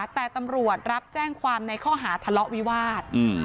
แต่ตำรวจรับแจ้งความในข้อหาทะเลาะวิวาส